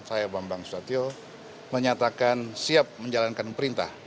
saya bambang susatyo menyatakan siap menjalankan perintah